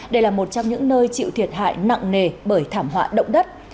đây là một trong những nơi chịu thiệt hại nặng nề bởi thảm họa động đất